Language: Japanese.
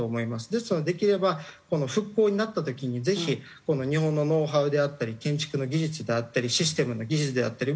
ですのでできれば復興になった時にぜひ日本のノウハウであったり建築の技術であったりシステムの技術であったり。